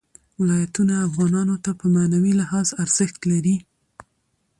ولایتونه افغانانو ته په معنوي لحاظ ارزښت لري.